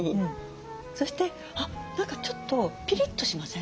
そして何かちょっとピリッとしません？